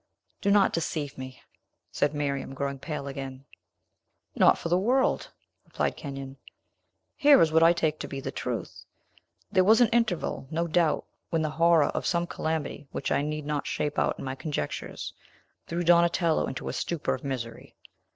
"Do not deceive me," said Miriam, growing pale again. "Not for the world!" replied Kenyon. "Here is what I take to be the truth. There was an interval, no doubt, when the horror of some calamity, which I need not shape out in my conjectures, threw Donatello into a stupor of misery.